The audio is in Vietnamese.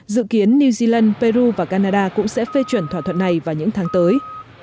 dự kiến new zealand peru và canada cũng sẽ phê chuẩn thỏa thuận này vào những tháng tới